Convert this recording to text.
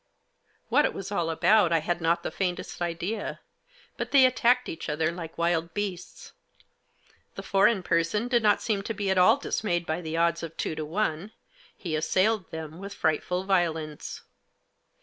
What it was all about I had not the faintest idea, but they attacked each other like wild beasts. The foreign person did not seem to be at all dismayed by the odds of two to one. He assailed them with frightful violence.